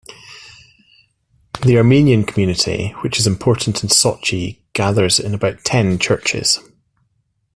The Armenian community, which is important in Sochi, gathers in about ten churches.